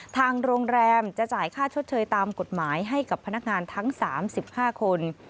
ทางโรงแรมจะจ่ายค่าชดเชยตามกฎหมายให้กับพนักงานทั้ง๓๕คน